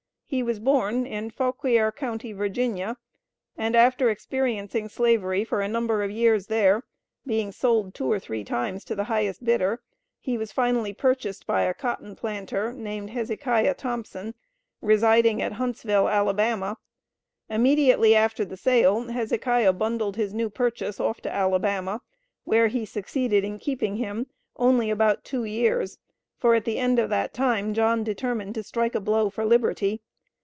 He was born in Fauquier county, Va., and, after experiencing Slavery for a number of years there being sold two or three times to the "highest bidder" he was finally purchased by a cotton planter named Hezekiah Thompson, residing at Huntsville, Alabama. Immediately after the sale Hezekiah bundled his new "purchase" off to Alabama, where he succeeded in keeping him only about two years, for at the end of that time John determined to strike a blow for liberty.